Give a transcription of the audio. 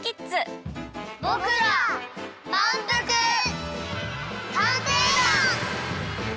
ぼくらまんぷく探偵団！